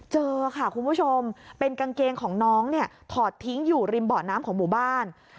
เจอค่ะคุณผู้ชมเป็นกางเกงของน้องเนี่ยถอดทิ้งอยู่ริมเบาะน้ำของหมู่บ้าน